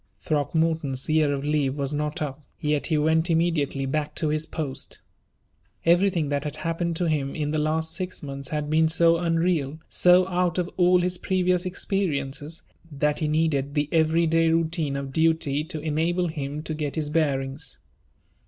Throckmorton's year of leave was not up, yet he went immediately back to his post. Everything that had happened to him in the last six months had been so unreal, so out of all his previous experiences, that he needed the every day routine of duty to enable him to get his bearings.